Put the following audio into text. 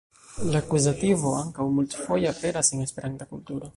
La akuzativo ankaŭ multfoje aperas en Esperanta kulturo.